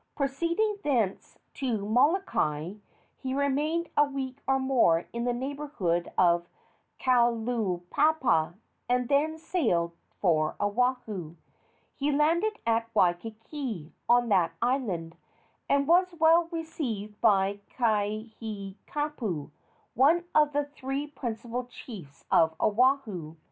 Proceeding thence to Molokai, he remained a week or more in the neighborhood of Kalaupapa, and then sailed for Oahu. He landed at Waikiki, on that island, and was well received by Kaihikapu, one of the three principal chiefs of Oahu.